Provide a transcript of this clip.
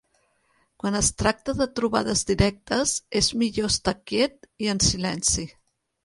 Quan es tracta de trobades directes és millor estar quiet i en silenci.